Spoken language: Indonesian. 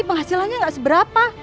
penghasilannya gak seberapa